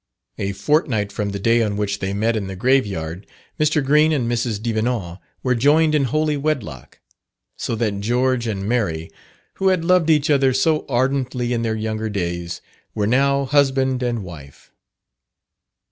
A fortnight from the day on which they met in the grave yard, Mr. Green and Mrs. Devenant were joined in holy wedlock; so that George and Mary, who had loved each other so ardently in their younger days, were now husband and wife.